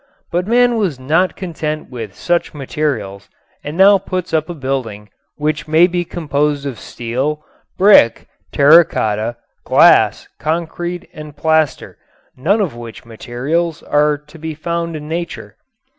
But man was not content with such materials and now puts up a building which may be composed of steel, brick, terra cotta, glass, concrete and plaster, none of which materials are to be found in nature.